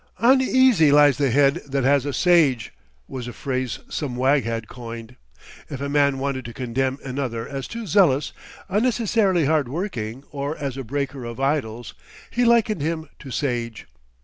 "Uneasy lies the Head that has a Sage," was a phrase some wag had coined. If a man wanted to condemn another as too zealous, unnecessarily hard working, or as a breaker of idols, he likened him to Sage.